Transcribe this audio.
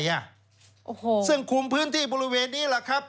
โอ้โหซึ่งคุมพื้นที่บริเวณนี้แหละครับ